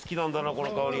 この香り。